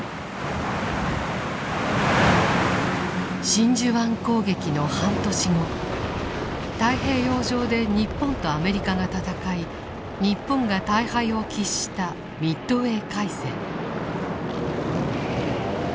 真珠湾攻撃の半年後太平洋上で日本とアメリカが戦い日本が大敗を喫したミッドウェー海戦。